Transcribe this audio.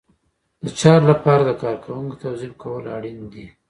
د چارو لپاره د کارکوونکو توظیف کول اړین دي.